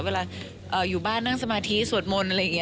เวลาอยู่บ้านนั่งสมาธิสวดมนต์อะไรอย่างนี้